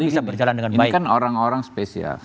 ini bisa berjalan dengan baik kan orang orang spesial